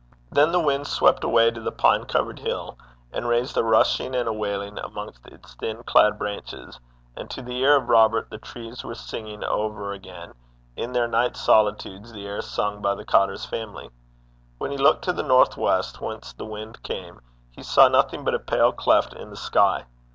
Then the wind swept away to the pine covered hill, and raised a rushing and a wailing amongst its thin clad branches, and to the ear of Robert the trees were singing over again in their night solitudes the air sung by the cottar's family. When he looked to the north west, whence the wind came, he saw nothing but a pale cleft in the sky.